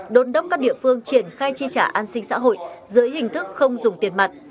đôn đốc các địa phương triển khai chi trả an sinh xã hội dưới hình thức không dùng tiền mặt